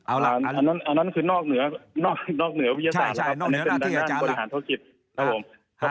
อันนั้นคือนอกเหนือวิทยาศาสตร์ครับอันนั้นบริหารธุรกิจครับครับ